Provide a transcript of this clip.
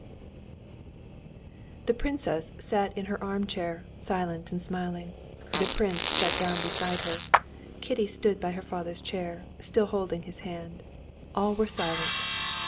Chapter 16 The princess sat in her armchair, silent and smiling; the prince sat down beside her. Kitty stood by her father's chair, still holding his hand. All were silent.